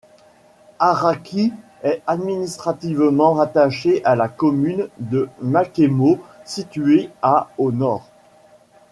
Haraiki est administrativement rattaché à la commune de Makemo située à au nord.